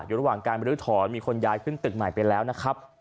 อยู่ระหว่างการบรื้อถอนมีคนย้ายขึ้นตึกใหม่ไปแล้วนะครับ